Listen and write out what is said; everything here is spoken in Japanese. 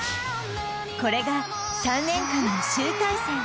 これが３年間の集大成。